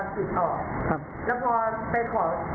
อยู่เดือราษฎรคล์